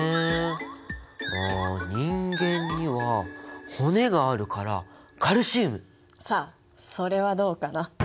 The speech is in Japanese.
あ人間には骨があるからさあそれはどうかな？